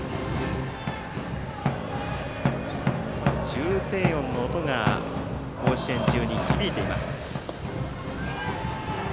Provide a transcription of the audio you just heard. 重低音の音が甲子園中に響いています。